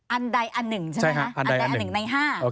อันใดอันหนึ่งใช่ไหมคะอันใดอันหนึ่งใน๕